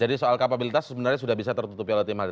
jadi soal kapabilitas sebenarnya sudah bisa tertutupi oleh tim ahli